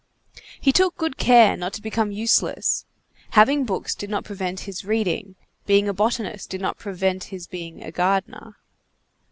He took good care not to become useless; having books did not prevent his reading, being a botanist did not prevent his being a gardener.